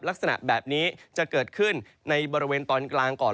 ลักษณะแบบนี้จะเกิดขึ้นในบริเวณตอนกลางก่อน